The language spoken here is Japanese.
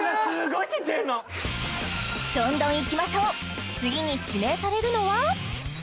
今どんどんいきましょう次に指名されるのは？